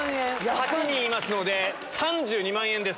８人いますので、３２万円です。